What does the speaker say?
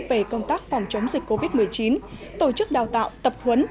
về công tác phòng chống dịch covid một mươi chín tổ chức đào tạo tập huấn